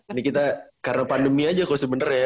ini kita karena pandemi aja kok sebenernya